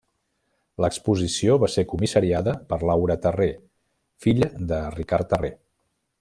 L'exposició va ser comissariada per Laura Terré, filla de Ricard Terré.